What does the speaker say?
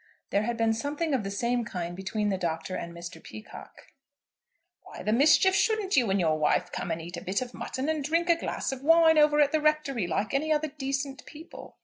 There had been something of the same kind between the Doctor and Mr. Peacocke. "Why the mischief shouldn't you and your wife come and eat a bit of mutton, and drink a glass of wine, over at the Rectory, like any other decent people?"